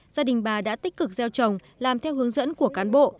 gia đình bà đã tích cực gieo trồng làm theo hướng dẫn của cán bộ